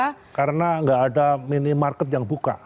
oh nggak ada karena nggak ada minimarket yang terbuka